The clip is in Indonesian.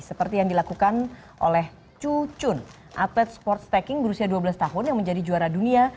seperti yang dilakukan oleh chu chun atlet sports packing berusia dua belas tahun yang menjadi juara dunia